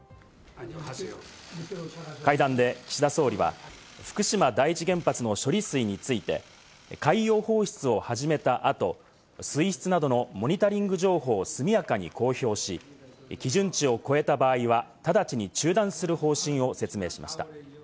会談で岸田総理は福島第一原発の処理水について、海洋放出を始めた後、水質などのモニタリング情報を速やかに公表し、基準値を超えた場合は直ちに中断する方針を説明しました。